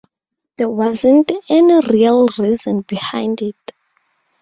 There wasn't any real reason behind it.